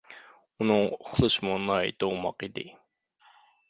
ئۇنىڭ ئۇخلىشىمۇ ناھايىتى ئوماق ئىدى.